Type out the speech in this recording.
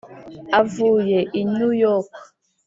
avuye i new york.